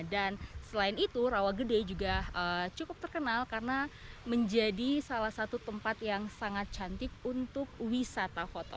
dan selain itu rawagede juga cukup terkenal karena menjadi salah satu tempat yang sangat cantik untuk wisata foto